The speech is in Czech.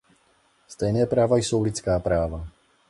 Stejné práva jsou lidská práva!